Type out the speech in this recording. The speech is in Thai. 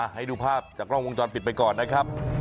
ให้ดูภาพจากกล้องวงจรปิดไปก่อนนะครับ